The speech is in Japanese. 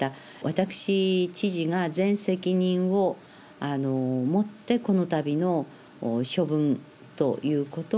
私知事が全責任をもってこの度の処分ということをさせて頂きました。